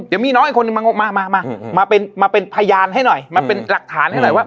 เดี๋ยวมีน้องอีกคนนึงมามาเป็นพยานให้หน่อยมาเป็นหลักฐานให้หน่อยว่า